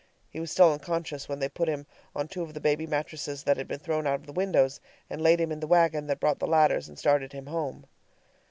He was still unconscious when they put him on two of the baby mattresses that had been thrown out of the windows and laid him in the wagon that brought the ladders and started him home.